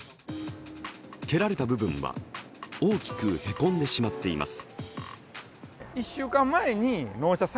蹴られた部分は大きくへこんでしまっています